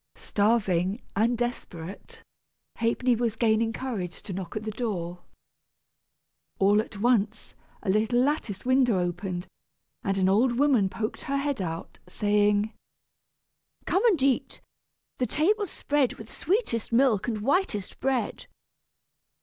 Starving and desperate, Ha'penny was gaining courage to knock at the door. All at once a little lattice window opened, and an old woman poked her head out saying: "Come and eat, the table's spread With sweetest milk and whitest bread.